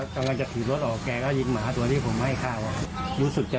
กลเกียจ